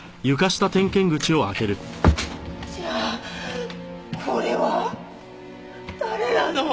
じゃあこれは誰なの？